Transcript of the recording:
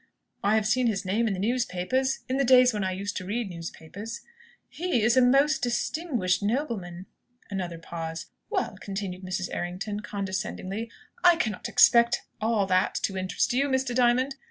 "I have seen his name in the newspapers, in the days when I used to read newspapers." "He is a most distinguished nobleman." Another pause. "Well," continued Mrs. Errington, condescendingly, "I cannot expect all that to interest you, Mr. Diamond.